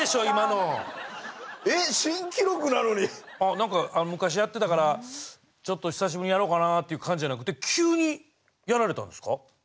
何か昔やってたからちょっと久しぶりにやろうかなっていう感じじゃなくて急にやられたんですか？